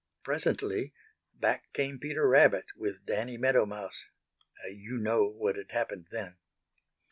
Presently back came Peter Rabbit with Danny Meadow Mouse. You know what had happened then.